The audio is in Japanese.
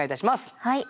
はい。